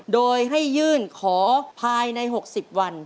โดยให้ยื่นขอภายใน๖๐วัน